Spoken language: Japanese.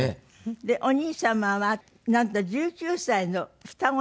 でお兄様はなんと１９歳の双子の息子がいる。